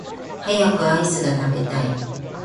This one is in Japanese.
早くアイスが食べたい